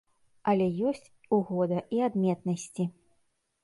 Але ёсць у года і адметнасці.